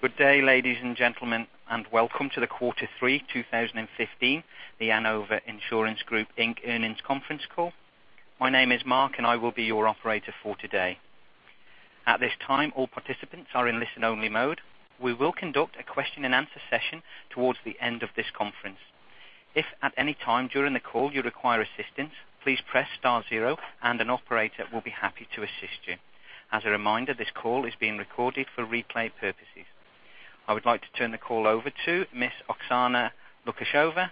Good day, ladies and gentlemen, and welcome to the Quarter 3 2015, The Hanover Insurance Group Inc. earnings conference call. My name is Mark, and I will be your operator for today. At this time, all participants are in listen only mode. We will conduct a question and answer session towards the end of this conference. If at any time during the call you require assistance, please press star zero and an operator will be happy to assist you. As a reminder, this call is being recorded for replay purposes. I would like to turn the call over to Ms. Oksana Lukasheva,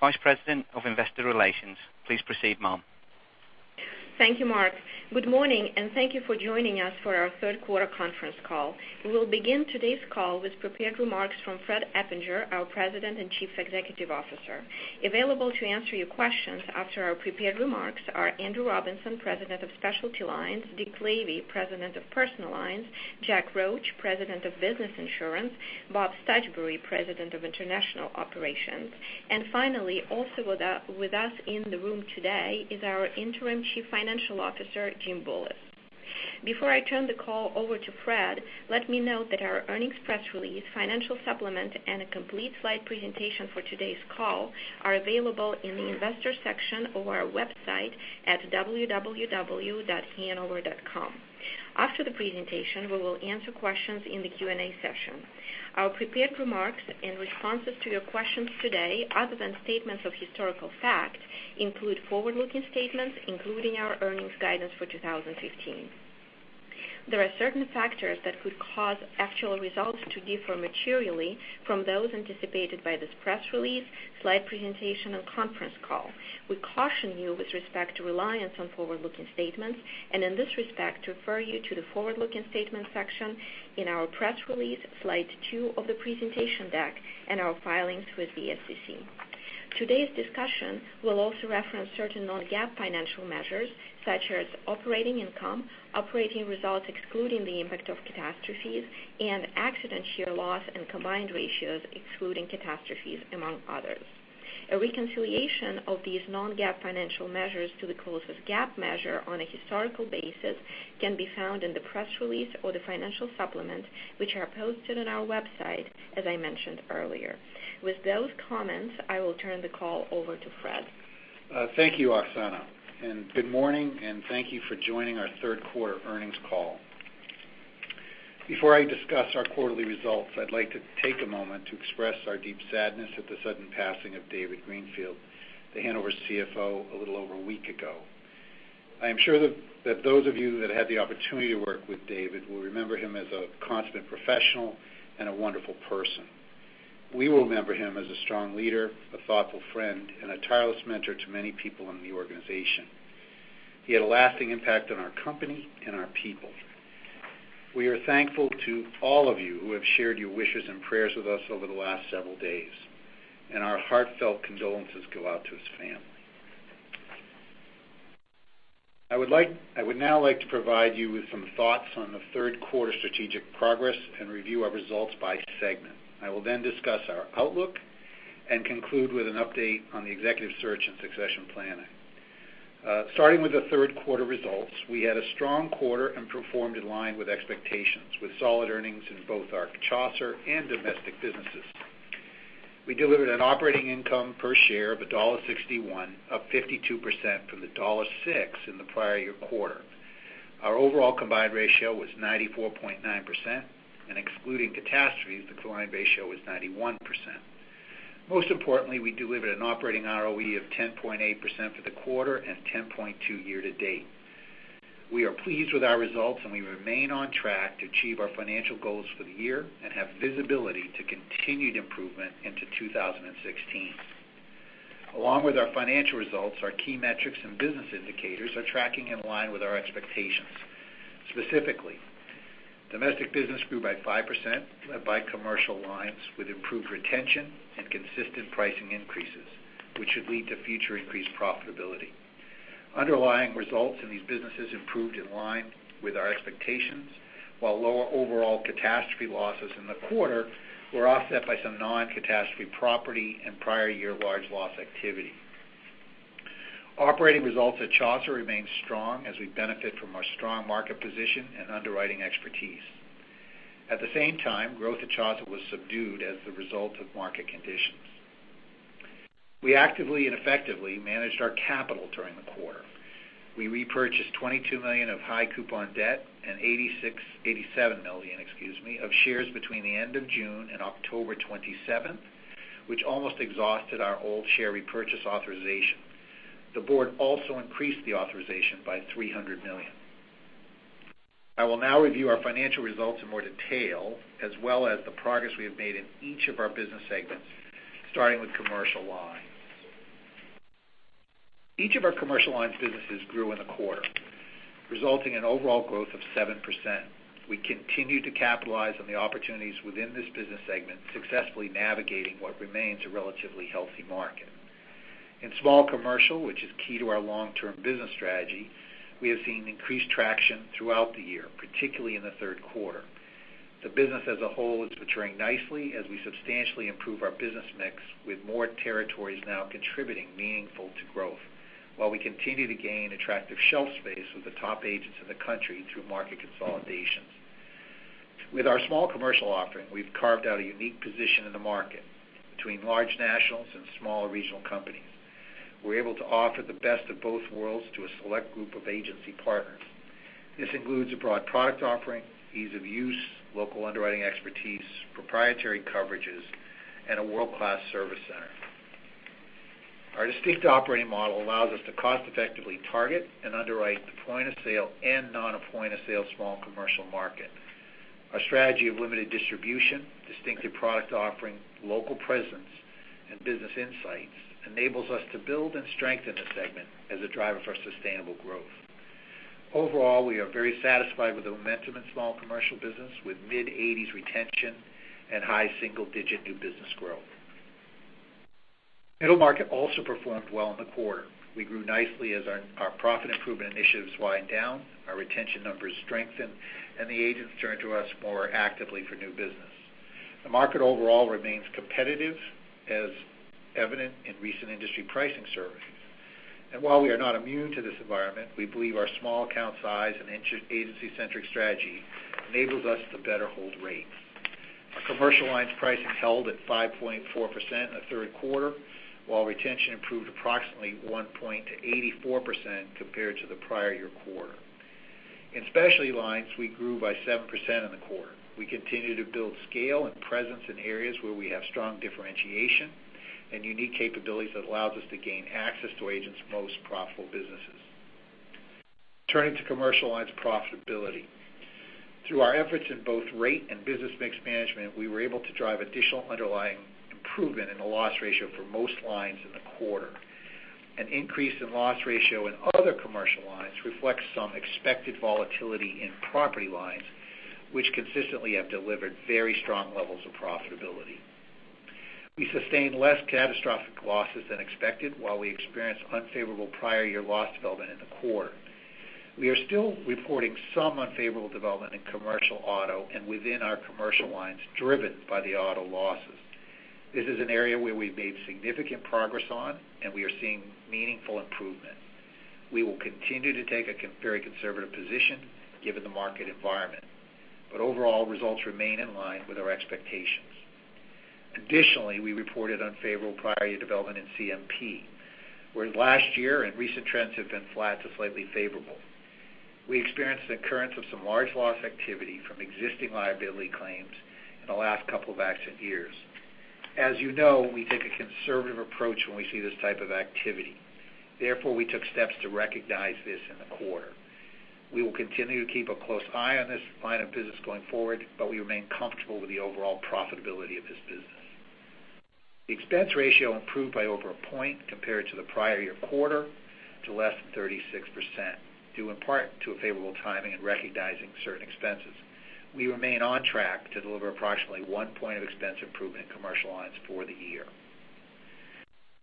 Vice President of Investor Relations. Please proceed, ma'am. Thank you, Mark. Good morning, and thank you for joining us for our third quarter conference call. We will begin today's call with prepared remarks from Fred Eppinger, our President and Chief Executive Officer. Available to answer your questions after our prepared remarks are Andrew Robinson, President of Specialty Lines, Dick Lavey, President of Personal Lines, Jack Roche, President of Business Insurance, Bob Stachbury, President of International Operations, and finally, also with us in the room today is our Interim Chief Financial Officer, Jim Bullis. Before I turn the call over to Fred, let me note that our earnings press release, financial supplement, and a complete slide presentation for today's call are available in the investors section of our website at www.hanover.com. After the presentation, we will answer questions in the Q&A session. Our prepared remarks and responses to your questions today, other than statements of historical fact, include forward-looking statements, including our earnings guidance for 2015. There are certain factors that could cause actual results to differ materially from those anticipated by this press release, slide two of the presentation deck, and our filings with the SEC. We caution you with respect to reliance on forward-looking statements, and in this respect, refer you to the forward-looking statements section in our press release, slide two of the presentation deck, and our filings with the SEC. Today's discussion will also reference certain non-GAAP financial measures, such as operating income, operating results excluding the impact of catastrophes, and accident, severe loss, and combined ratios excluding catastrophes, among others. A reconciliation of these non-GAAP financial measures to the closest GAAP measure on a historical basis can be found in the press release or the financial supplement, which are posted on our website, as I mentioned earlier. With those comments, I will turn the call over to Fred. Thank you, Oksana, and good morning, and thank you for joining our third quarter earnings call. Before I discuss our quarterly results, I'd like to take a moment to express our deep sadness at the sudden passing of David Greenfield, The Hanover's CFO, a little over a week ago. I am sure that those of you that had the opportunity to work with David will remember him as a constant professional and a wonderful person. We will remember him as a strong leader, a thoughtful friend, and a tireless mentor to many people in the organization. He had a lasting impact on our company and our people. We are thankful to all of you who have shared your wishes and prayers with us over the last several days, and our heartfelt condolences go out to his family. I would now like to provide you with some thoughts on the third quarter strategic progress and review our results by segment. I will then discuss our outlook and conclude with an update on the executive search and succession planning. Starting with the third quarter results, we had a strong quarter and performed in line with expectations, with solid earnings in both our Chaucer and domestic businesses. We delivered an operating income per share of $1.61, up 52% from the $1.06 in the prior year quarter. Our overall combined ratio was 94.9%, and excluding catastrophes, the combined ratio was 91%. Most importantly, we delivered an operating ROE of 10.8% for the quarter and 10.2% year to date. We are pleased with our results, and we remain on track to achieve our financial goals for the year and have visibility to continued improvement into 2016. Along with our financial results, our key metrics and business indicators are tracking in line with our expectations. Specifically, domestic business grew by 5%, led by commercial lines with improved retention and consistent pricing increases, which should lead to future increased profitability. Underlying results in these businesses improved in line with our expectations, while lower overall catastrophe losses in the quarter were offset by some non-catastrophe property and prior year large loss activity. Operating results at Chaucer remain strong as we benefit from our strong market position and underwriting expertise. At the same time, growth at Chaucer was subdued as the result of market conditions. We actively and effectively managed our capital during the quarter. We repurchased $22 million of high coupon debt and $87 million of shares between the end of June and October 27th, which almost exhausted our old share repurchase authorization. The board also increased the authorization by $300 million. I will now review our financial results in more detail, as well as the progress we have made in each of our business segments, starting with commercial lines. Each of our commercial lines businesses grew in the quarter, resulting in overall growth of 7%. We continue to capitalize on the opportunities within this business segment, successfully navigating what remains a relatively healthy market. In small commercial, which is key to our long-term business strategy, we have seen increased traction throughout the year, particularly in the third quarter. The business as a whole is maturing nicely as we substantially improve our business mix with more territories now contributing meaningful to growth. While we continue to gain attractive shelf space with the top agents in the country through market consolidations. With our small commercial offering, we've carved out a unique position in the market between large nationals and smaller regional companies. We're able to offer the best of both worlds to a select group of agency partners. This includes a broad product offering, ease of use, local underwriting expertise, proprietary coverages, and a world-class service center. Our distinct operating model allows us to cost effectively target and underwrite the point of sale and non-point of sale small commercial market. Our strategy of limited distribution, distinctive product offering, local presence, and business insights enables us to build and strengthen the segment as a driver for sustainable growth. Overall, we are very satisfied with the momentum in small commercial business with mid-80s retention and high single-digit new business growth. Middle market also performed well in the quarter. We grew nicely as our profit improvement initiatives wind down, our retention numbers strengthen, the agents turn to us more actively for new business. The market overall remains competitive, as evident in recent industry pricing surveys. While we are not immune to this environment, we believe our small account size and agency-centric strategy enables us to better hold rates. Our commercial lines pricing held at 5.4% in the third quarter, while retention improved approximately 1.84% compared to the prior year quarter. In specialty lines, we grew by 7% in the quarter. We continue to build scale and presence in areas where we have strong differentiation and unique capabilities that allows us to gain access to agents' most profitable businesses. Turning to commercial lines profitability. Through our efforts in both rate and business mix management, we were able to drive additional underlying improvement in the loss ratio for most lines in the quarter. An increase in loss ratio in other commercial lines reflects some expected volatility in property lines, which consistently have delivered very strong levels of profitability. We sustained less catastrophic losses than expected while we experienced unfavorable prior year loss development in the quarter. We are still reporting some unfavorable development in commercial auto and within our commercial lines, driven by the auto losses. This is an area where we've made significant progress on, and we are seeing meaningful improvement. We will continue to take a very conservative position given the market environment. Overall, results remain in line with our expectations. Additionally, we reported unfavorable prior year development in CMP, where last year and recent trends have been flat to slightly favorable. We experienced the occurrence of some large loss activity from existing liability claims in the last couple of accident years. As you know, we take a conservative approach when we see this type of activity. Therefore, we took steps to recognize this in the quarter. We will continue to keep a close eye on this line of business going forward, but we remain comfortable with the overall profitability of this business. The expense ratio improved by over a point compared to the prior year quarter to less than 36%, due in part to a favorable timing in recognizing certain expenses. We remain on track to deliver approximately one point of expense improvement in commercial lines for the year.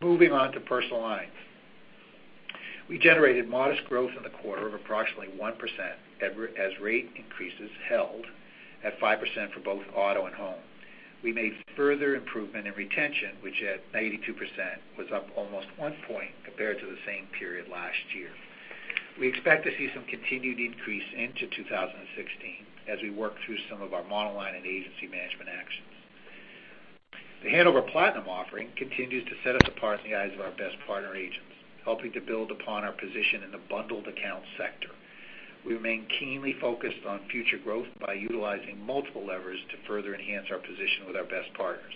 Moving on to personal lines. We generated modest growth in the quarter of approximately 1% as rate increases held at 5% for both auto and home. We made further improvement in retention, which at 82% was up almost one point compared to the same period last year. We expect to see some continued increase into 2016 as we work through some of our model line and agency management actions. The Hanover Platinum offering continues to set us apart in the eyes of our best partner agents, helping to build upon our position in the bundled account sector. We remain keenly focused on future growth by utilizing multiple levers to further enhance our position with our best partners.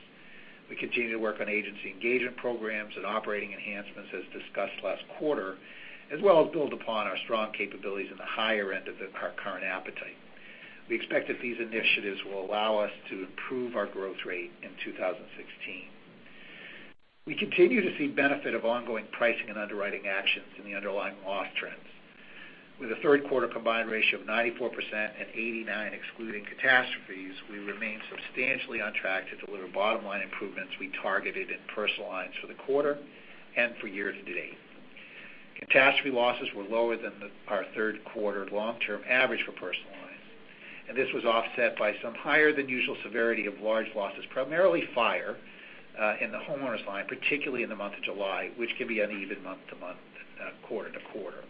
We continue to work on agency engagement programs and operating enhancements as discussed last quarter, as well as build upon our strong capabilities in the higher end of our current appetite. We expect that these initiatives will allow us to improve our growth rate in 2016. We continue to see benefit of ongoing pricing and underwriting actions in the underlying loss trends. With a third quarter combined ratio of 94% and 89% excluding catastrophes, we remain substantially on track to deliver bottom-line improvements we targeted in personal lines for the quarter and for year to date. Catastrophe losses were lower than our third quarter long-term average for personal lines. This was offset by some higher than usual severity of large losses, primarily fire, in the homeowners line, particularly in the month of July, which can be uneven month-to-month, quarter-to-quarter.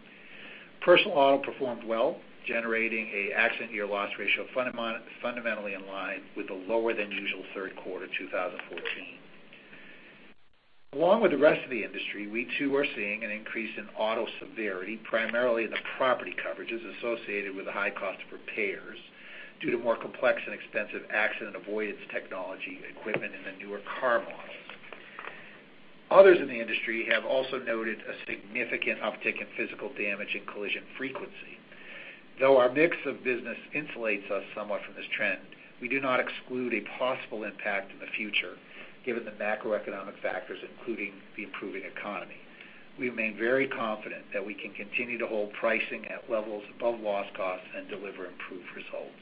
Personal auto performed well, generating an accident year loss ratio fundamentally in line with the lower than usual third quarter 2014. Along with the rest of the industry, we too are seeing an increase in auto severity, primarily in the property coverages associated with the high cost of repairs due to more complex and expensive accident avoidance technology equipment in the newer car models. Others in the industry have also noted a significant uptick in physical damage and collision frequency. Though our mix of business insulates us somewhat from this trend, we do not exclude a possible impact in the future given the macroeconomic factors including the improving economy. We remain very confident that we can continue to hold pricing at levels above loss costs and deliver improved results.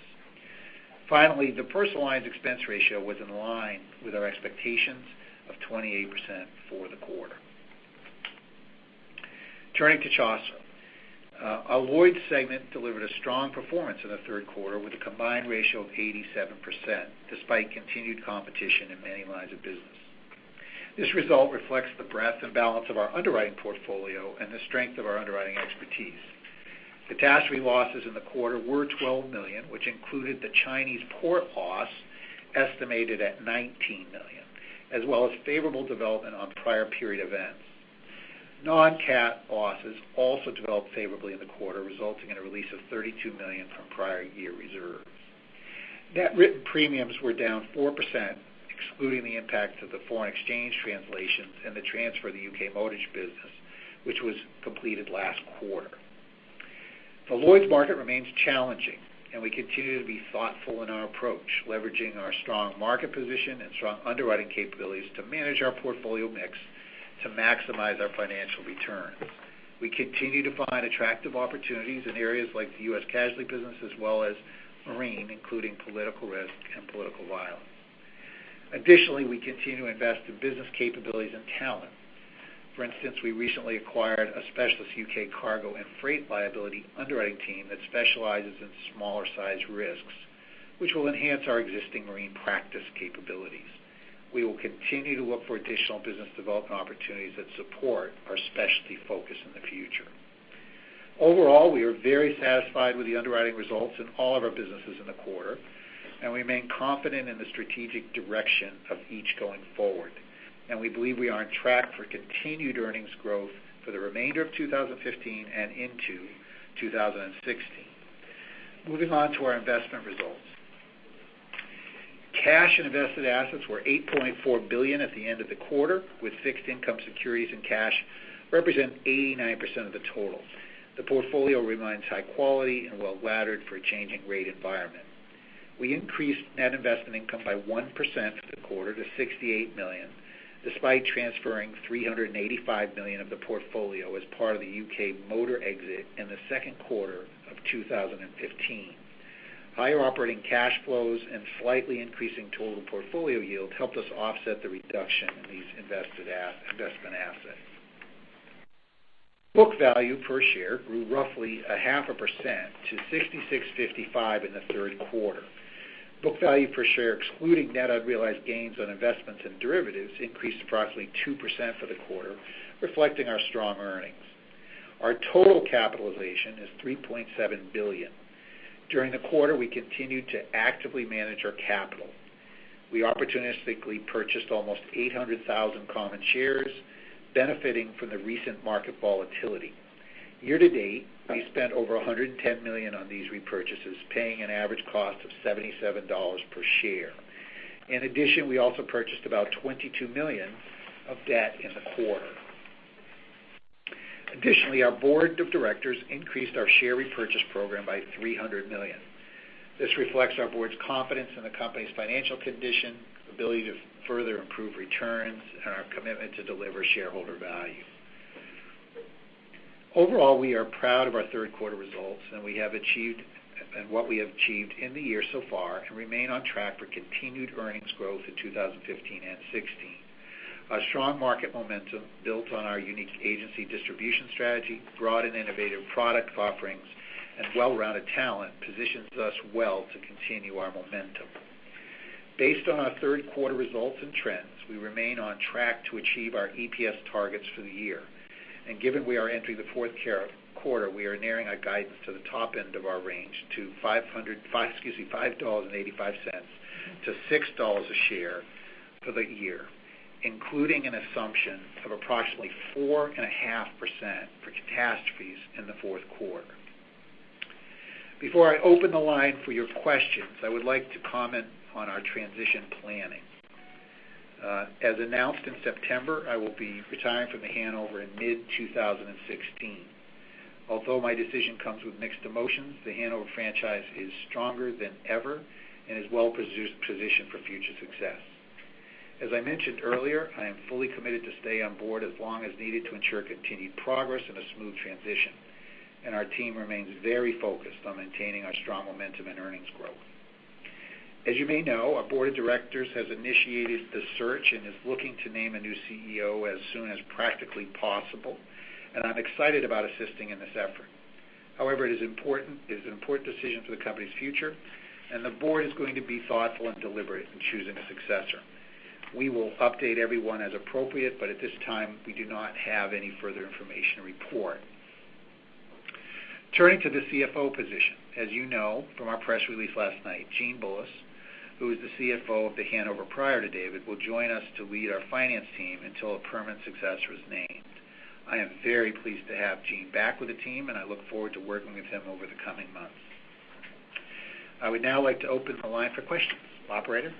Finally, the personal lines expense ratio was in line with our expectations of 28% for the quarter. Turning to Chaucer. Our Lloyd's segment delivered a strong performance in the third quarter with a combined ratio of 87%, despite continued competition in many lines of business. This result reflects the breadth and balance of our underwriting portfolio and the strength of our underwriting expertise. Catastrophe losses in the quarter were $12 million, which included the Chinese port loss, estimated at $19 million, as well as favorable development on prior period events. Non-cat losses also developed favorably in the quarter, resulting in a release of $32 million from prior year reserves. Net written premiums were down 4%, excluding the impact of the foreign exchange translations and the transfer of the UK Motor business, which was completed last quarter. The Lloyd's market remains challenging, we continue to be thoughtful in our approach, leveraging our strong market position and strong underwriting capabilities to manage our portfolio mix to maximize our financial returns. We continue to find attractive opportunities in areas like the U.S. casualty business as well as marine, including political risk and political violence. Additionally, we continue to invest in business capabilities and talent. For instance, we recently acquired a specialist U.K. cargo and freight liability underwriting team that specializes in smaller-sized risks, which will enhance our existing marine practice capabilities. We will continue to look for additional business development opportunities that support our specialty focus in the future. Overall, we are very satisfied with the underwriting results in all of our businesses in the quarter, and we remain confident in the strategic direction of each going forward. We believe we are on track for continued earnings growth for the remainder of 2015 and into 2016. Moving on to our investment results. Cash and invested assets were $8.4 billion at the end of the quarter, with fixed income securities and cash representing 89% of the total. The portfolio remains high quality and well-laddered for a changing rate environment. We increased net investment income by 1% for the quarter to $68 million, despite transferring $385 million of the portfolio as part of the U.K. Motor exit in the second quarter of 2015. Higher operating cash flows and slightly increasing total portfolio yields helped us offset the reduction in these investment assets. Book value per share grew roughly a half a percent to $66.55 in the third quarter. Book value per share, excluding net unrealized gains on investments and derivatives, increased approximately 2% for the quarter, reflecting our strong earnings. Our total capitalization is $3.7 billion. During the quarter, we continued to actively manage our capital. We opportunistically purchased almost 800,000 common shares, benefiting from the recent market volatility. Year-to-date, we spent over $110 million on these repurchases, paying an average cost of $77 per share. In addition, we also purchased about $22 million of debt in the quarter. Additionally, our board of directors increased our share repurchase program by $300 million. This reflects our board's confidence in the company's financial condition, ability to further improve returns, and our commitment to deliver shareholder value. Overall, we are proud of our third quarter results and what we have achieved in the year so far and remain on track for continued earnings growth in 2015 and 2016. Our strong market momentum, built on our unique agency distribution strategy, broad and innovative product offerings, and well-rounded talent, positions us well to continue our momentum. Based on our third quarter results and trends, we remain on track to achieve our EPS targets for the year. Given we are entering the fourth quarter, we are narrowing our guidance to the top end of our range to $5.85 to $6 a share for the year, including an assumption of approximately 4.5% for catastrophes in the fourth quarter. Before I open the line for your questions, I would like to comment on our transition planning. As announced in September, I will be retiring from The Hanover in mid-2016. Although my decision comes with mixed emotions, The Hanover franchise is stronger than ever and is well-positioned for future success. As I mentioned earlier, I am fully committed to stay on board as long as needed to ensure continued progress and a smooth transition, and our team remains very focused on maintaining our strong momentum and earnings growth. As you may know, our board of directors has initiated the search and is looking to name a new CEO as soon as practically possible. I'm excited about assisting in this effort. However, it is an important decision for the company's future. The board is going to be thoughtful and deliberate in choosing a successor. We will update everyone as appropriate, but at this time, we do not have any further information to report. Turning to the CFO position. As you know from our press release last night, Gene Bullis, who was the CFO of The Hanover prior to David, will join us to lead our finance team until a permanent successor is named. I am very pleased to have Gene back with the team. I look forward to working with him over the coming months. I would now like to open the line for questions. Operator?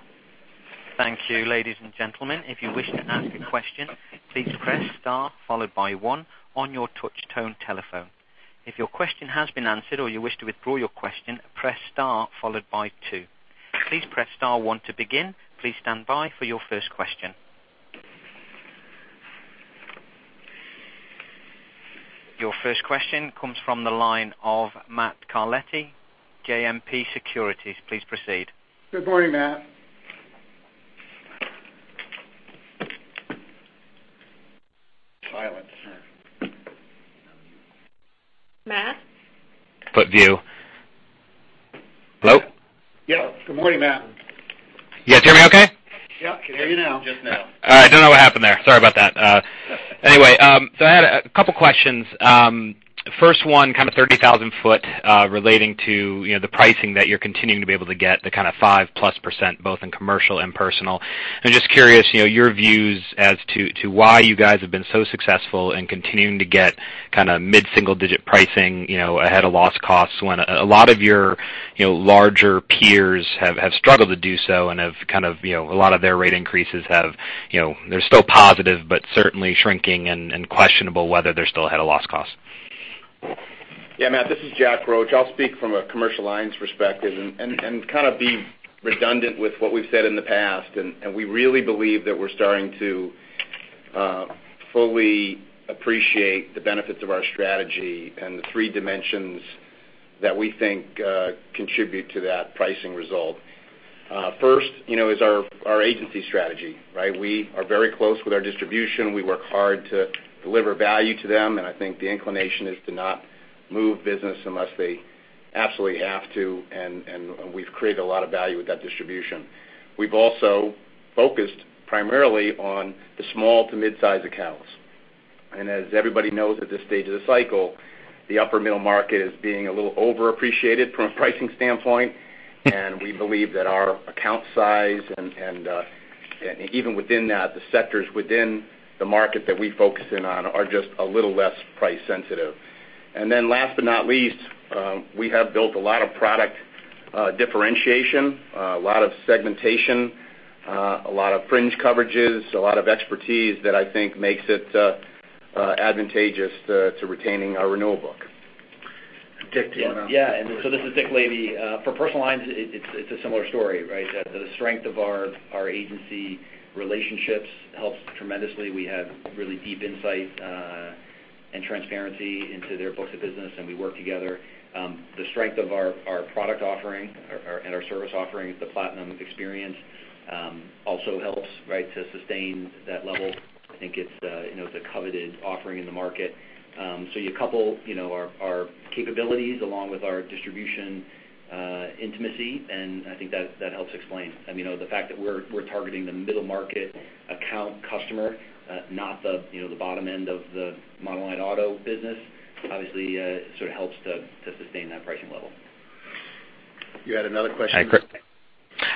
Thank you, ladies and gentlemen. If you wish to ask a question, please press star followed by one on your touch tone telephone. If your question has been answered or you wish to withdraw your question, press star followed by two. Please press star one to begin. Please stand by for your first question. Your first question comes from the line of Matthew Carletti, JMP Securities. Please proceed. Good morning, Matt. Matt? But you. Hello? Yeah. Good morning, Matt. You guys hear me okay? Yeah, can hear you now. Just now. All right. Don't know what happened there. Sorry about that. I had a couple questions. First one, kind of 30,000 foot relating to the pricing that you're continuing to be able to get, the kind of 5%+ both in commercial and personal. I'm just curious, your views as to why you guys have been so successful in continuing to get mid-single digit pricing ahead of loss costs when a lot of your larger peers have struggled to do so and a lot of their rate increases, they're still positive, but certainly shrinking and questionable whether they're still ahead of loss costs. Yeah, Matt, this is Jack Roche. I'll speak from a commercial lines perspective and kind of be redundant with what we've said in the past. We really believe that we're starting to fully appreciate the benefits of our strategy and the 3 dimensions that we think contribute to that pricing result. First is our agency strategy, right? We are very close with our distribution. We work hard to deliver value to them, and I think the inclination is to not move business unless they absolutely have to, and we've created a lot of value with that distribution. We've also focused primarily on the small to mid-size accounts. As everybody knows, at this stage of the cycle, the upper middle market is being a little over appreciated from a pricing standpoint. We believe that our account size and even within that, the sectors within the market that we focus in on are just a little less price sensitive. Last but not least, we have built a lot of product differentiation, a lot of segmentation, a lot of fringe coverages, a lot of expertise that I think makes it advantageous to retaining our renewal book. Dick, do you want to- Yeah. This is Dick Lavey. For Personal Lines, it's a similar story, right? The strength of our agency relationships helps tremendously. We have really deep insight and transparency into their books of business, and we work together. The strength of our product offering and our service offering, the Platinum experience, also helps to sustain that level. I think it's a coveted offering in the market. You couple our capabilities along with our distribution intimacy, and I think that helps explain. I mean, the fact that we're targeting the middle market account customer, not the bottom end of the model line auto business, obviously sort of helps to sustain that pricing level. You had another question?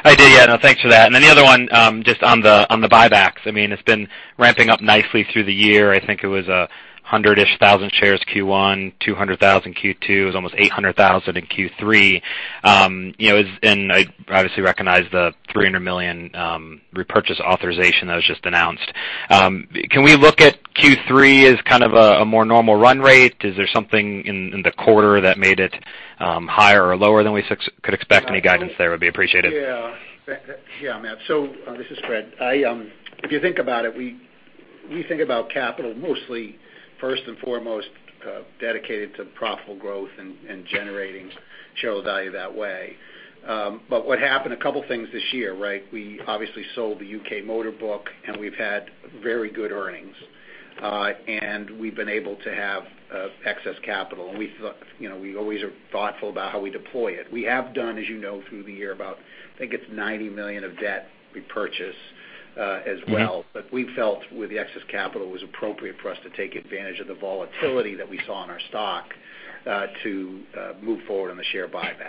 I did, yeah. Thanks for that. The other one, just on the buybacks. It's been ramping up nicely through the year. I think it was 100-ish thousand shares Q1, 200,000 Q2. It was almost 800,000 in Q3. I obviously recognize the $300 million repurchase authorization that was just announced. Can we look at Q3 as kind of a more normal run rate? Is there something in the quarter that made it higher or lower than we could expect? Any guidance there would be appreciated. Yeah, Matt. This is Fred. If you think about it, we think about capital mostly first and foremost dedicated to profitable growth and generating shareholder value that way. What happened, a couple things this year, right? We obviously sold the UK motor book, and we've had very good earnings. We've been able to have excess capital, and we always are thoughtful about how we deploy it. We have done, as you know, through the year about, I think it's $90 million of debt repurchase as well. We felt with the excess capital, it was appropriate for us to take advantage of the volatility that we saw in our stock to move forward on the share buyback.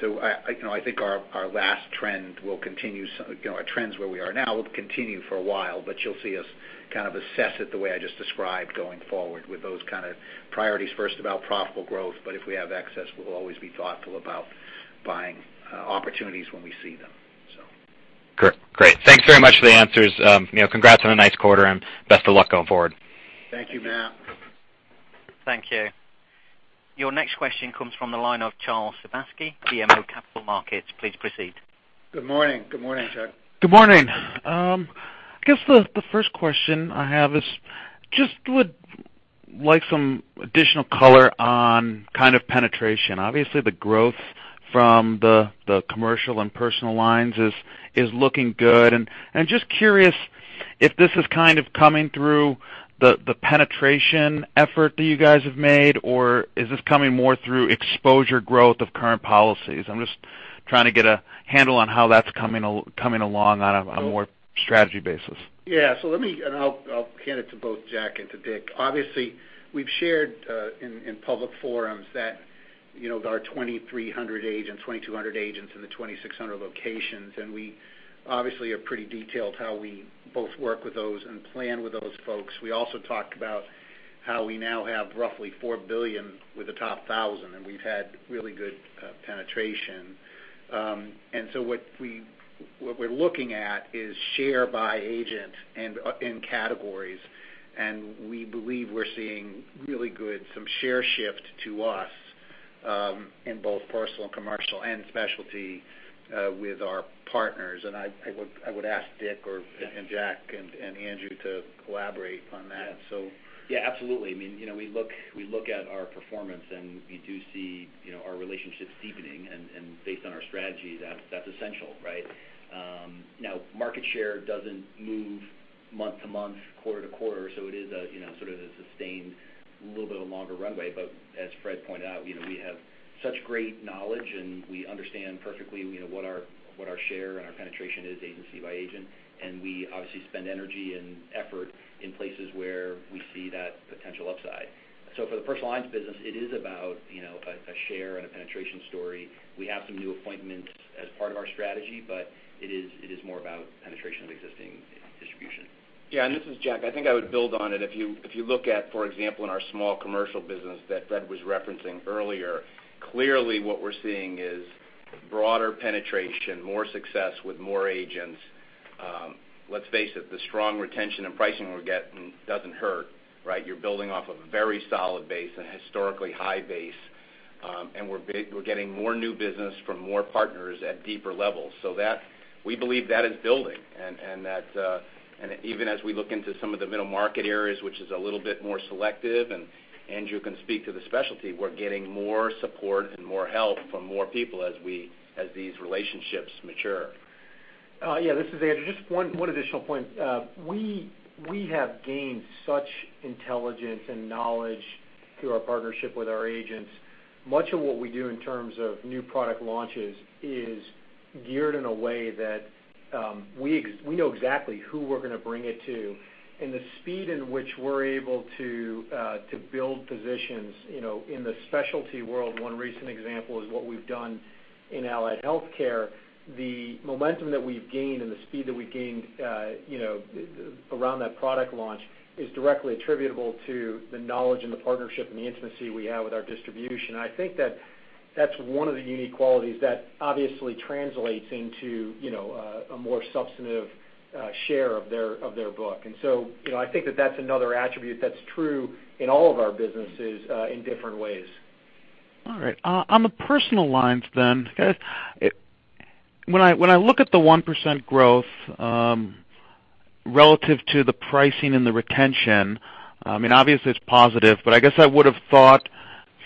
I think our last trend will continue. Our trends where we are now will continue for a while, but you'll see us kind of assess it the way I just described going forward with those kind of priorities, first about profitable growth. If we have excess, we'll always be thoughtful about buying opportunities when we see them. Great. Thanks very much for the answers. Congrats on a nice quarter and best of luck going forward. Thank you, Matt. Thank you. Your next question comes from the line of Charles Sebaski, BMO Capital Markets. Please proceed. Good morning. Good morning, sir. Good morning. I guess the first question I have is just would like some additional color on kind of penetration. Obviously, the growth from the commercial and personal lines is looking good. Just curious if this is kind of coming through the penetration effort that you guys have made, or is this coming more through exposure growth of current policies? I'm just trying to get a handle on how that's coming along on a more strategy basis. Yeah. Let me, I'll hand it to both Jack and to Dick. Obviously, we've shared in public forums that our 2,300 agents, 2,200 agents in the 2,600 locations. We obviously are pretty detailed how we both work with those and plan with those folks. We also talked about how we now have roughly $4 billion with the top 1,000. We've had really good penetration. What we're looking at is share by agent and in categories. We believe we're seeing really good, some share shift to us in both personal and commercial and specialty with our partners. I would ask Dick and Jack and Andrew to collaborate on that. Yeah, absolutely. We look at our performance. We do see our relationships deepening, and based on our strategy, that's essential, right? Now, market share doesn't move month to month, quarter to quarter. It is sort of a sustained little bit of a longer runway. As Fred pointed out, we have such great knowledge. We understand perfectly what our share and our penetration is agency by agent. We obviously spend energy and effort in places where we see that potential upside. For the personal lines business, it is about a share and a penetration story. We have some new appointments as part of our strategy, but it is more about penetration of existing distribution. This is Jack. I think I would build on it. If you look at, for example, in our small commercial business that Fred was referencing earlier, clearly what we're seeing is broader penetration, more success with more agents. Let's face it, the strong retention and pricing we're getting doesn't hurt, right? You're building off of a very solid base and a historically high base. We're getting more new business from more partners at deeper levels. We believe that is building. Even as we look into some of the middle market areas, which is a little bit more selective, and Andrew can speak to the specialty, we're getting more support and more help from more people as these relationships mature. This is Andrew. Just one additional point. We have gained such intelligence and knowledge through our partnership with our agents. Much of what we do in terms of new product launches is geared in a way that we know exactly who we're going to bring it to. The speed in which we're able to build positions in the specialty world, one recent example is what we've done in Allied Healthcare. The momentum that we've gained and the speed that we've gained around that product launch is directly attributable to the knowledge and the partnership and the intimacy we have with our distribution. I think that's one of the unique qualities that obviously translates into a more substantive share of their book. I think that that's another attribute that's true in all of our businesses in different ways. All right. On the personal lines then, guys, when I look at the 1% growth relative to the pricing and the retention, obviously it's positive, but I guess I would've thought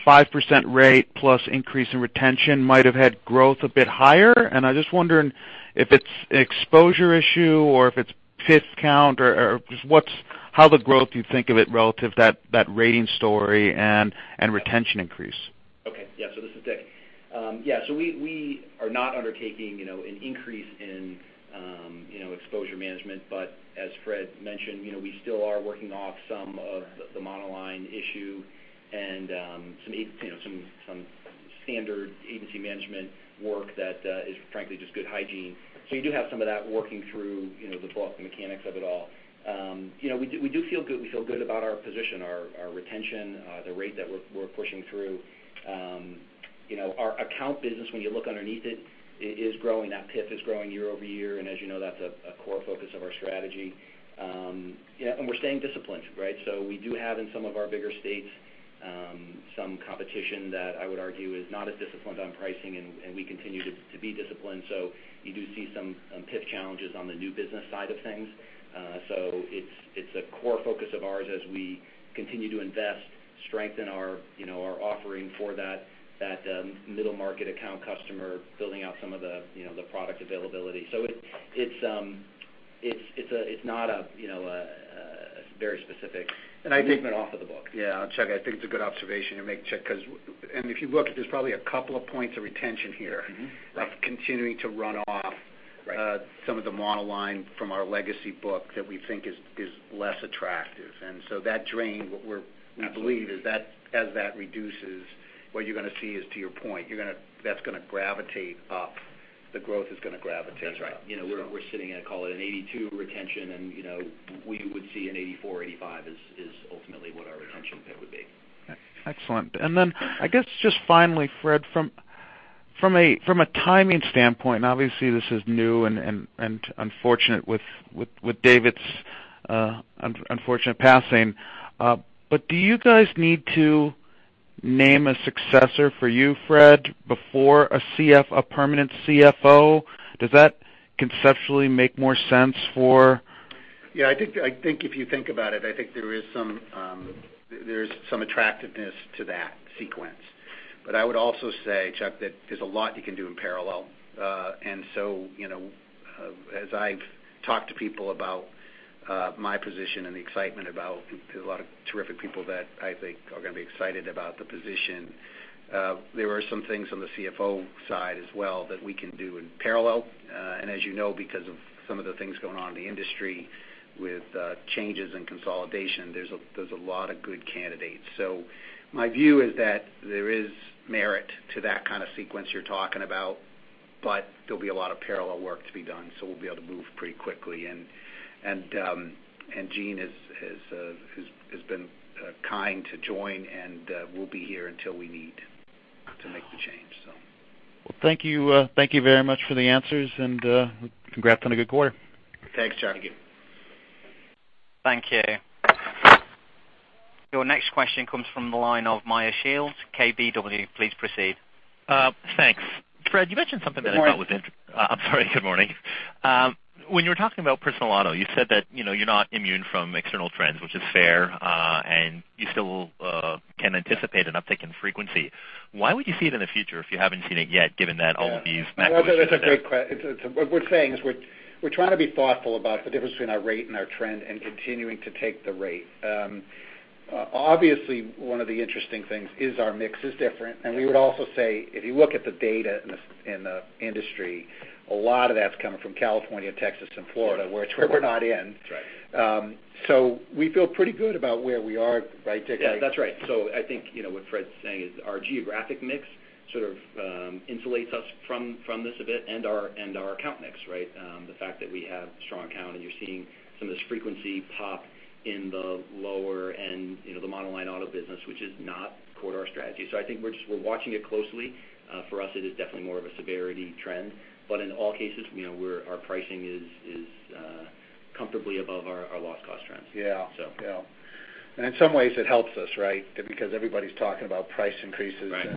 5% rate plus increase in retention might have had growth a bit higher. I'm just wondering if it's an exposure issue or if it's fifth count or just how the growth you think of it relative to that rating story and retention increase. Okay. This is Dick. We are not undertaking an increase in exposure management. As Fred mentioned, we still are working off some of the monoline issue and some standard agency management work that is frankly just good hygiene. You do have some of that working through the book, the mechanics of it all. We do feel good about our position, our retention, the rate that we're pushing through. Our account business, when you look underneath it, is growing. That PIP is growing year-over-year, and as you know, that's a core focus of our strategy. We're staying disciplined, right? We do have in some of our bigger states some competition that I would argue is not as disciplined on pricing, and we continue to be disciplined. You do see some PIP challenges on the new business side of things. It's a core focus of ours as we continue to invest, strengthen our offering for that middle market account customer, building out some of the product availability. It's not a very specific movement off of the book. Yeah, Chuck, I think it's a good observation you make, Chuck, because if you look, there's probably a couple of points of retention here of continuing to run off some of the monoline from our legacy book that we think is less attractive. That drain, we believe as that reduces, what you're going to see is to your point, that's going to gravitate up. The growth is going to gravitate up. That's right. We're sitting at, call it an 82% retention, and we would see an 84%-85% as ultimately what our retention peak would be. Excellent. I guess just finally, Fred, from a timing standpoint, obviously this is new and unfortunate with David's unfortunate passing. Do you guys need to name a successor for you, Fred, before a permanent CFO? Does that conceptually make more sense? I think if you think about it, I think there's some attractiveness to that sequence. I would also say, Charlie, that there's a lot you can do in parallel. As I've talked to people about my position and the excitement about a lot of terrific people that I think are going to be excited about the position, there are some things on the CFO side as well that we can do in parallel. As you know, because of some of the things going on in the industry with changes in consolidation, there's a lot of good candidates. My view is that there is merit to that kind of sequence you're talking about, but there'll be a lot of parallel work to be done. We'll be able to move pretty quickly. Gene has been kind to join, and will be here until we meet. Well, thank you very much for the answers and congrats on a good quarter. Thanks, Charlie. Thank you. Your next question comes from the line of Meyer Shields, KBW. Please proceed. Thanks. Fred, you mentioned something that I thought was interesting. Good morning. I'm sorry. Good morning. When you were talking about personal auto, you said that you're not immune from external trends, which is fair, and you still can anticipate an uptick in frequency. Why would you see it in the future if you haven't seen it yet, given that all of these macro issues are there? Well, that's a great question. What we're saying is we're trying to be thoughtful about the difference between our rate and our trend and continuing to take the rate. Obviously, one of the interesting things is our mix is different. We would also say, if you look at the data in the industry, a lot of that's coming from California, Texas, and Florida, which we're not in. That's right. We feel pretty good about where we are. Right, Jack? Yeah, that's right. I think, what Fred's saying is our geographic mix sort of insulates us from this a bit and our account mix, right? The fact that we have strong account, and you're seeing some of this frequency pop in the lower end, the monoline auto business, which is not core to our strategy. I think we're watching it closely. For us, it is definitely more of a severity trend. In all cases, our pricing is comfortably above our loss cost trends. Yeah. So. In some ways it helps us, right? Because everybody's talking about price increases- Right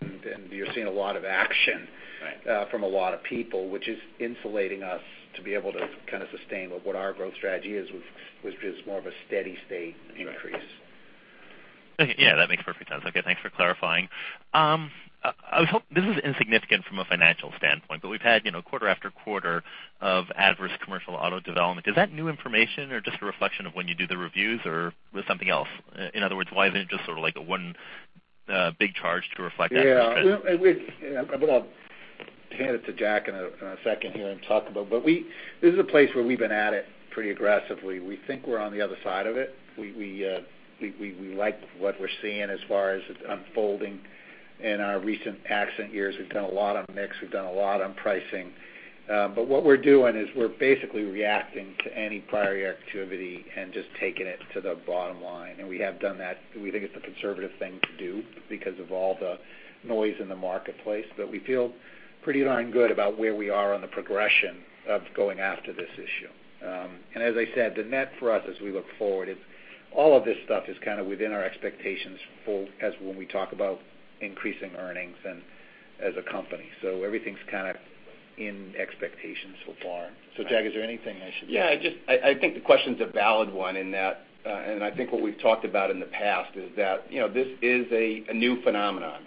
You're seeing a lot of action- Right from a lot of people, which is insulating us to be able to kind of sustain what our growth strategy is, which is more of a steady state increase. Yeah. That makes perfect sense. Okay. Thanks for clarifying. This is insignificant from a financial standpoint, we've had quarter after quarter of adverse commercial auto development. Is that new information or just a reflection of when you do the reviews or with something else? In other words, why isn't it just sort of like a one big charge to reflect that? Yeah. I'm going to hand it to Jack in a second here and talk about, this is a place where we've been at it pretty aggressively. We think we're on the other side of it. We like what we're seeing as far as it unfolding in our recent accident years. We've done a lot on mix. We've done a lot on pricing. What we're doing is we're basically reacting to any prior year activity and just taking it to the bottom line. We have done that. We think it's the conservative thing to do because of all the noise in the marketplace. We feel pretty darn good about where we are on the progression of going after this issue. As I said, the net for us as we look forward is all of this stuff is kind of within our expectations for as when we talk about increasing earnings and as a company. Everything's kind of in expectations so far. Jack, is there anything? Yeah, I think the question's a valid one in that, I think what we've talked about in the past is that, this is a new phenomenon.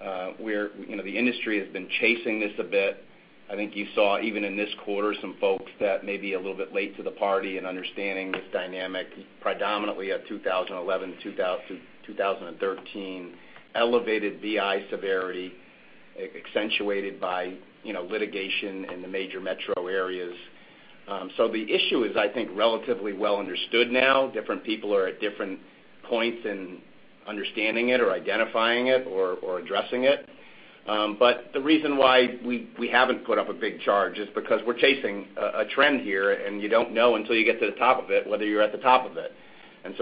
The industry has been chasing this a bit. I think you saw even in this quarter some folks that may be a little bit late to the party in understanding this dynamic predominantly at 2011, 2013, elevated BI severity accentuated by litigation in the major metro areas. The issue is, I think, relatively well understood now. Different people are at different points in understanding it or identifying it or addressing it. The reason why we haven't put up a big charge is because we're chasing a trend here, and you don't know until you get to the top of it, whether you're at the top of it.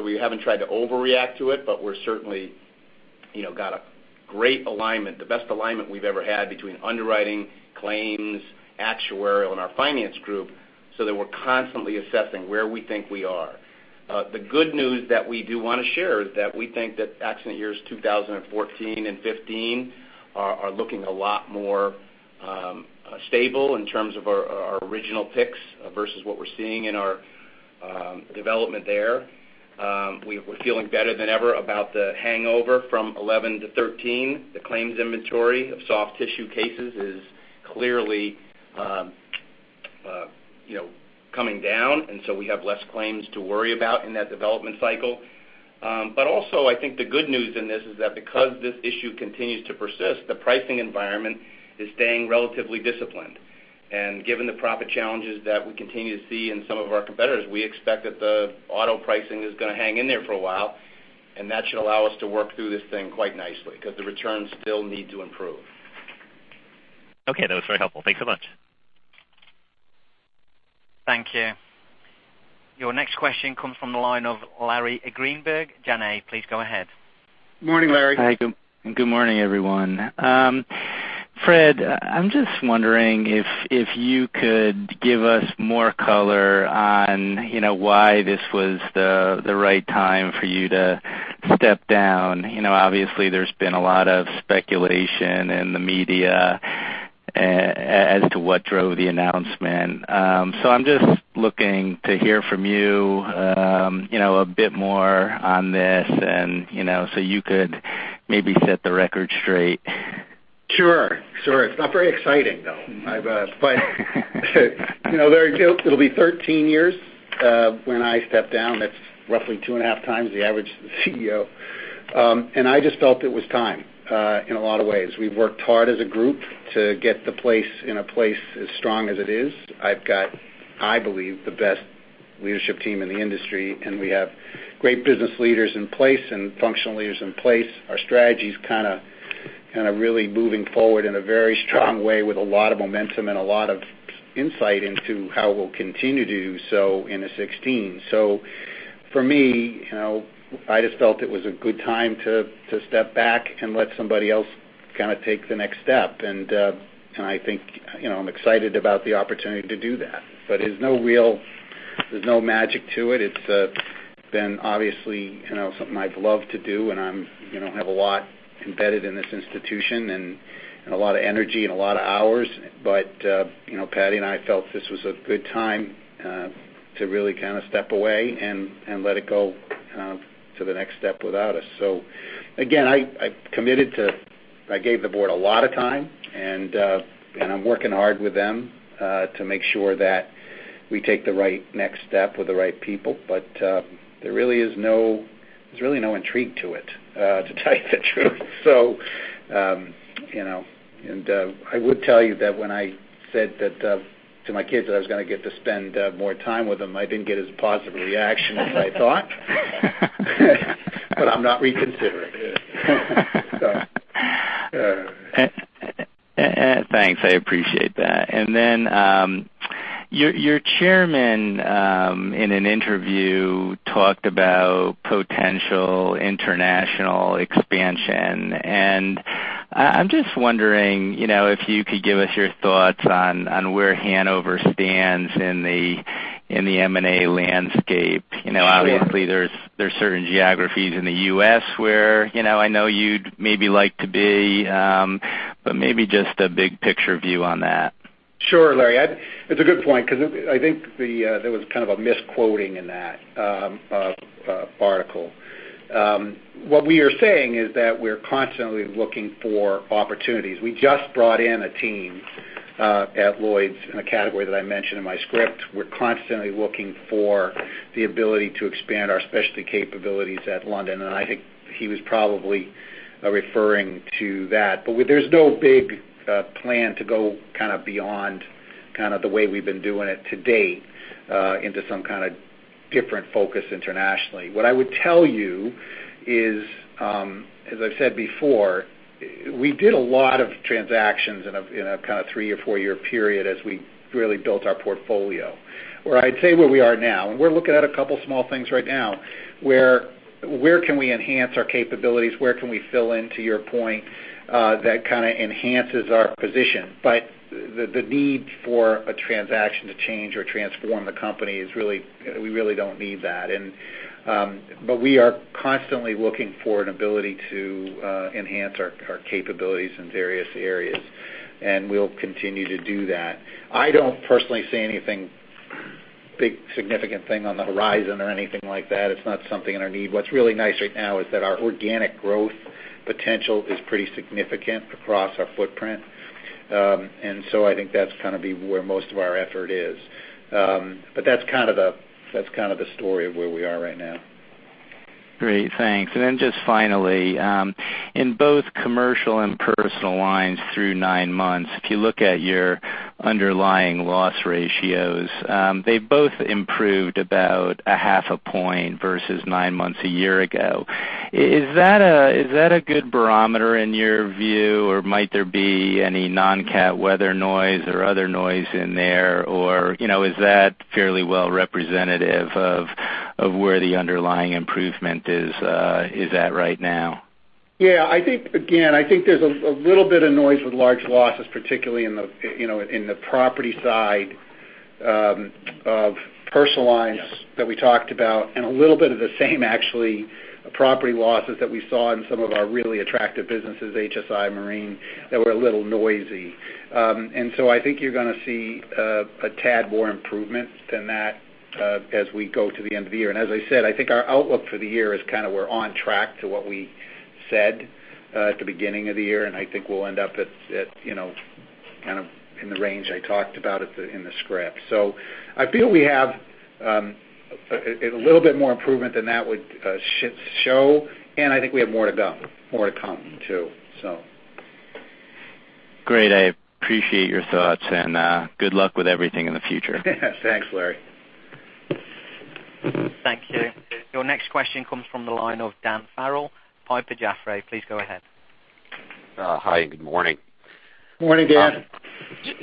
We haven't tried to overreact to it, we're certainly got a great alignment, the best alignment we've ever had between underwriting, claims, actuarial, and our finance group, so that we're constantly assessing where we think we are. The good news that we do want to share is that we think that accident years 2014 and 2015 are looking a lot more stable in terms of our original picks versus what we're seeing in our development there. We're feeling better than ever about the hangover from 2011 to 2013. The claims inventory of soft tissue cases is clearly coming down, we have less claims to worry about in that development cycle. Also, I think the good news in this is that because this issue continues to persist, the pricing environment is staying relatively disciplined. Given the profit challenges that we continue to see in some of our competitors, we expect that the auto pricing is going to hang in there for a while, and that should allow us to work through this thing quite nicely because the returns still need to improve. Okay. That was very helpful. Thanks so much. Thank you. Your next question comes from the line of Larry Greenberg, Janney. Please go ahead. Morning, Larry. Hi. Good morning, everyone. Fred, I'm just wondering if you could give us more color on why this was the right time for you to step down. Obviously, there's been a lot of speculation in the media as to what drove the announcement. I'm just looking to hear from you a bit more on this, you could maybe set the record straight. Sure. It's not very exciting, though. It'll be 13 years, when I step down. That's roughly two and a half times the average CEO. I just felt it was time, in a lot of ways. We've worked hard as a group to get the place in a place as strong as it is. I've got, I believe, the best leadership team in the industry, and we have great business leaders in place and functional leaders in place. Our strategy's kind of really moving forward in a very strong way with a lot of momentum and a lot of insight into how we'll continue to do so into 2016. For me, I just felt it was a good time to step back and let somebody else take the next step. I'm excited about the opportunity to do that. There's no magic to it. It's been, obviously, something I've loved to do, and I have a lot embedded in this institution and a lot of energy and a lot of hours. Patty and I felt this was a good time to really step away and let it go to the next step without us. Again, I gave the board a lot of time, and I'm working hard with them to make sure that we take the right next step with the right people. There's really no intrigue to it, to tell you the truth. I would tell you that when I said to my kids that I was going to get to spend more time with them, I didn't get as positive a reaction as I thought. I'm not reconsidering. Thanks. I appreciate that. Your chairman, in an interview, talked about potential international expansion. I'm just wondering if you could give us your thoughts on where Hanover stands in the M&A landscape. Yeah. Obviously, there's certain geographies in the U.S. where I know you'd maybe like to be, but maybe just a big picture view on that. Sure, Larry. It's a good point because I think there was kind of a misquoting in that article. What we are saying is that we're constantly looking for opportunities. We just brought in a team at Lloyd's in a category that I mentioned in my script. We're constantly looking for the ability to expand our specialty capabilities at London. I think he was probably referring to that. There's no big plan to go beyond the way we've been doing it to date into some kind of different focus internationally. What I would tell you is, as I've said before, we did a lot of transactions in a three or four-year period as we really built our portfolio. Where I'd say where we are now, and we're looking at a couple small things right now, where can we enhance our capabilities? Where can we fill in, to your point, that kind of enhances our position? The need for a transaction to change or transform the company, we really don't need that. We are constantly looking for an ability to enhance our capabilities in various areas, and we'll continue to do that. I don't personally see any big significant thing on the horizon or anything like that. It's not something in our need. What's really nice right now is that our organic growth potential is pretty significant across our footprint. I think that's going to be where most of our effort is. That's kind of the story of where we are right now. Great, thanks. Then just finally, in both commercial and personal lines through nine months, if you look at your underlying loss ratios, they've both improved about a half a point versus nine months a year ago. Is that a good barometer in your view, or might there be any non-cat weather noise or other noise in there, or is that fairly well representative of where the underlying improvement is at right now? Yeah. Again, I think there's a little bit of noise with large losses, particularly in the property side of personal lines that we talked about, and a little bit of the same, actually, property losses that we saw in some of our really attractive businesses, HSI Marine, that were a little noisy. I think you're going to see a tad more improvement than that as we go to the end of the year. As I said, I think our outlook for the year is we're on track to what we said at the beginning of the year, and I think we'll end up in the range I talked about in the script. I feel a little bit more improvement than that would show, and I think we have more to come, too. Great. I appreciate your thoughts, and good luck with everything in the future. Thanks, Larry. Thank you. Your next question comes from the line of Daniel Farrell, Piper Jaffray. Please go ahead. Hi, good morning. Morning, Dan.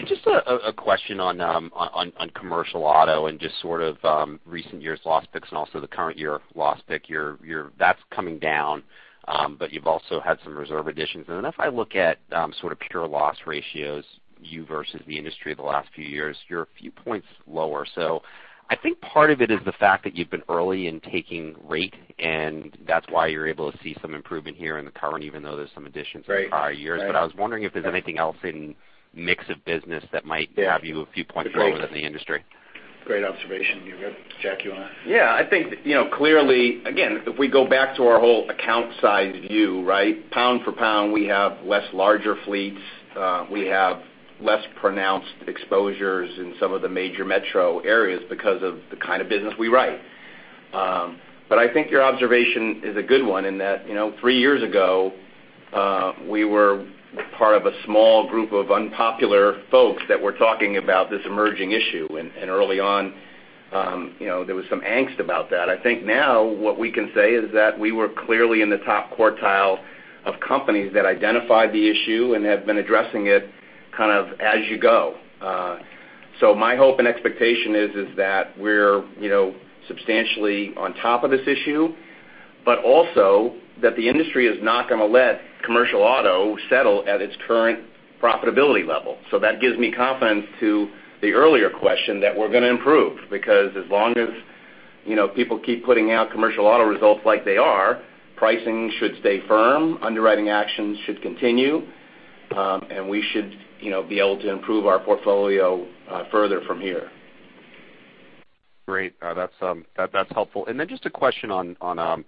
Just a question on commercial auto and just sort of recent year's loss picks and also the current year loss pick. That's coming down, but you've also had some reserve additions. If I look at sort of pure loss ratios, you versus the industry the last few years, you're a few points lower. I think part of it is the fact that you've been early in taking rate, and that's why you're able to see some improvement here in the current, even though there's some additions in prior years. Right. I was wondering if there's anything else in mix of business that might have you a few points lower than the industry. Great observation. Jack, you want to? Yeah. I think clearly, again, if we go back to our whole account size view, right, pound for pound, we have less larger fleets. We have less pronounced exposures in some of the major metro areas because of the kind of business we write. I think your observation is a good one in that three years ago, we were part of a small group of unpopular folks that were talking about this emerging issue. Early on, there was some angst about that. I think now what we can say is that we were clearly in the top quartile of companies that identified the issue and have been addressing it kind of as you go. My hope and expectation is that we're substantially on top of this issue, but also that the industry is not going to let commercial auto settle at its current profitability level. That gives me confidence to the earlier question that we're going to improve, because as long as people keep putting out commercial auto results like they are, pricing should stay firm, underwriting actions should continue, and we should be able to improve our portfolio further from here. Great. That's helpful. Then just a question on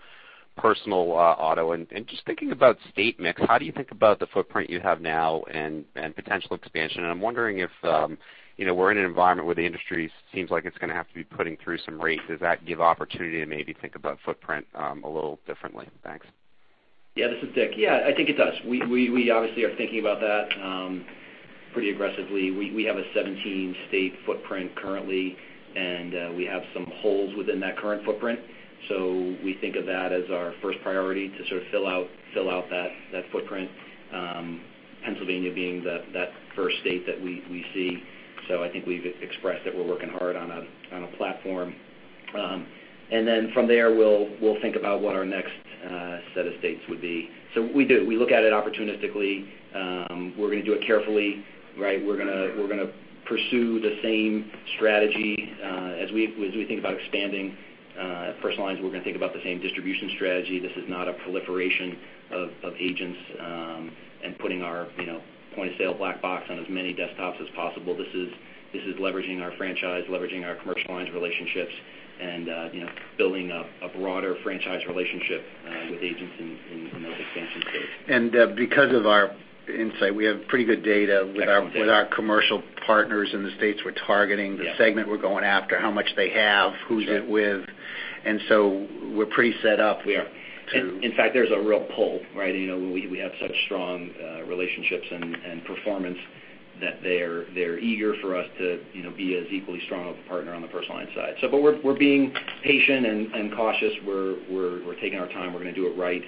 personal auto and just thinking about state mix, how do you think about the footprint you have now and potential expansion? I'm wondering if we're in an environment where the industry seems like it's going to have to be putting through some rates. Does that give opportunity to maybe think about footprint a little differently? Thanks. Yeah, this is Dick. Yeah, I think it does. We obviously are thinking about that pretty aggressively. We have a 17-state footprint currently, and we have some holes within that current footprint. We think of that as our first priority to sort of fill out that footprint, Pennsylvania being that first state that we see. I think we've expressed that we're working hard on a platform. From there, we'll think about what our next set of states would be. We do, we look at it opportunistically. We're going to do it carefully, right? We're going to pursue the same strategy. As we think about expanding Personal Lines, we're going to think about the same distribution strategy. This is not a proliferation of agents and putting our point-of-sale black box on as many desktops as possible. This is leveraging our franchise, leveraging our Commercial Lines relationships, and building a broader franchise relationship with agents in those expansion states. Because of our insight, we have pretty good data. Yeah With our commercial partners in the states we're targeting. Yeah the segment we're going after, how much they have- Sure who's it with. We're pretty set up. We are. To- In fact, there's a real pull, right? We have such strong relationships and performance that they're eager for us to be as equally strong of a partner on the personal lines side. We're being patient and cautious. We're taking our time. We're going to do it right.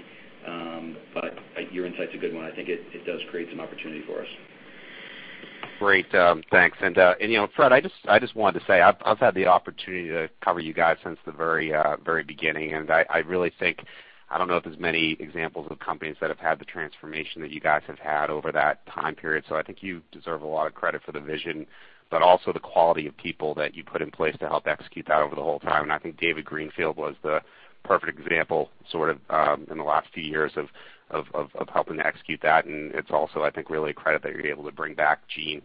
Your insight's a good one. I think it does create some opportunity for us. Great, thanks. Fred, I just wanted to say, I've had the opportunity to cover you guys since the very beginning, and I really think, I don't know if there's many examples of companies that have had the transformation that you guys have had over that time period. I think you deserve a lot of credit for the vision, but also the quality of people that you put in place to help execute that over the whole time. I think David Greenfield was the perfect example, sort of, in the last few years of helping to execute that. It's also, I think, really a credit that you're able to bring back Gene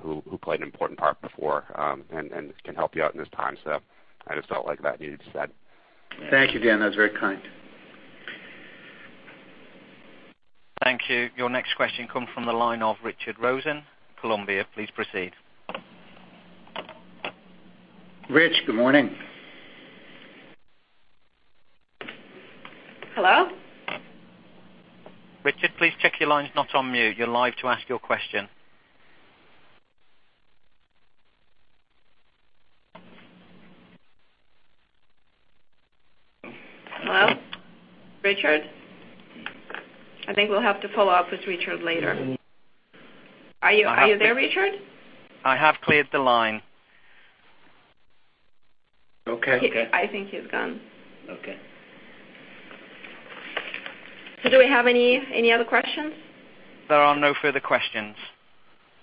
who played an important part before and can help you out in this time. I just felt like that needed to be said. Thank you, Dan. That's very kind. Thank you. Your next question comes from the line of Rich Rosen, Columbia. Please proceed. Rich, good morning. Hello? Richard, please check your line's not on mute. You're live to ask your question. Hello? Richard? I think we'll have to follow up with Richard later. Are you there, Richard? I have cleared the line. Okay. I think he's gone. Okay. Do we have any other questions? There are no further questions.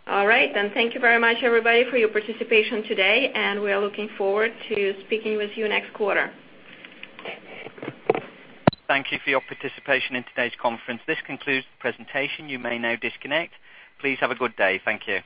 Thank you very much, everybody, for your participation today, and we are looking forward to speaking with you next quarter. Thank you for your participation in today's conference. This concludes the presentation. You may now disconnect. Please have a good day. Thank you.